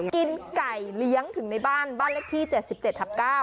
กินไก่เลี้ยงถึงในบ้านบ้านเลขที่๗๗ทับ๙